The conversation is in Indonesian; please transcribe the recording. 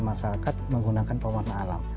masyarakat menggunakan pewarna alam